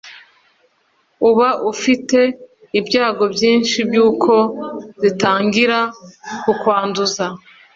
uba ufite ibyago byinshi by’uko zitangira kukwanduza